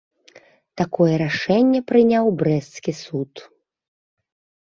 Такое рашэнне прыняў брэсцкі суд.